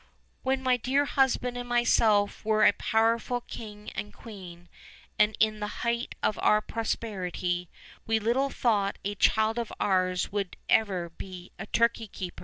"When my dear husband and myself were a powerful king and queen, and in the height of our prosperity, we little thought a child of ours would ever be a turkey* keeper!"